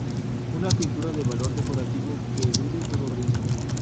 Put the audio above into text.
Una pintura de valor decorativo, que elude todo riesgo.